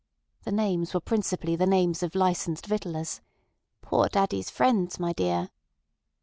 The names were principally the names of licensed victuallers—"poor daddy's friends, my dear."